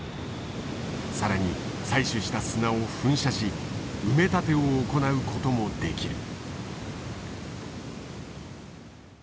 更に採取した砂を噴射し埋め立てを行うこともできる。